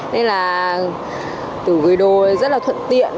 nên là tủ gửi đồ rất là thuận tiện